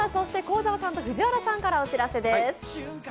幸澤さんと藤原さんからお知らせです。